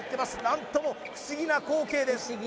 何とも不思議な光景です